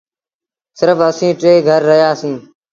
سرڦ اَسيٚݩ ٽي گھر رهيآ سيٚݩ۔